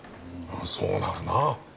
そうなるな。